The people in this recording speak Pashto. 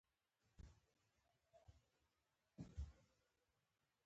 تنده د مرگ څه ساتې؟! څوک اور د جهنم مړ کړي؟!